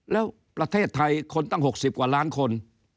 แล้วประเทศไทยคนตั้ง๖๐กว่าล้านคน